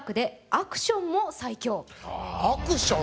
アクション